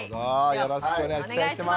よろしくお願いします